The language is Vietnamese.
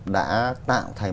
đã tạo thành